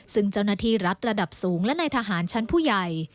ซึ่งเจ้าหน้าที่รัฐระดับสูงและในทหารชั้นผู้ใหญ่